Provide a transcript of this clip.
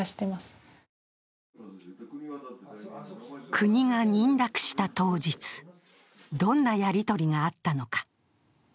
国が認諾した当日、どんなやり取りがあったのか。